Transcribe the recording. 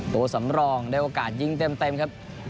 ตัวสำรองได้โอกาสยิงเต็มครับ